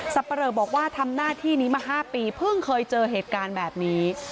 ปะเลอบอกว่าทำหน้าที่นี้มา๕ปีเพิ่งเคยเจอเหตุการณ์แบบนี้